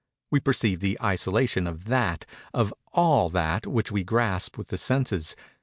We perceive the isolation of that—of all that which we grasp with the senses.